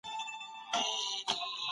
لومړی، دوهم، درېيم او څلرم پېژنو.